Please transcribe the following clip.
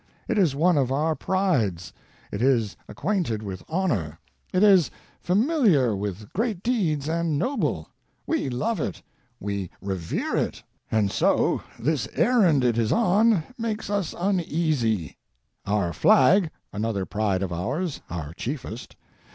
It is one of our prides; it ia acquainted with honor; it is familiar with great deeds and noble; we love it, we revere it; and so this errand it is on makes us uneasy. And our flag — another pride, of ours, our chiefest